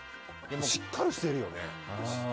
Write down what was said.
しっかりしてるよね。